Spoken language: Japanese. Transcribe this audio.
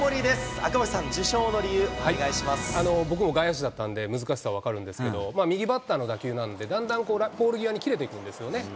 赤星さん、受賞の理由、お願いし僕も外野手だったんで、難しさ分かるんですけど、右バッターの打球なんで、だんだんポール際に切れていくんですよね。